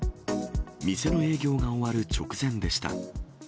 店の営業が終わる直前でした。